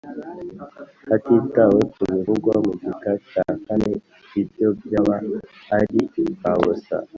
Hatitawe ku bivugwa mu gika cyakane ibyo byaba ari imfabusa